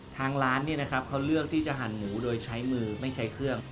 ทางร้านเขาเลือกที่จะหั่นหมูโดยใช้มือไม่ใช้เครื่อง